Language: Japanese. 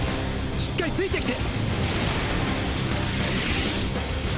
しっかりついて来て。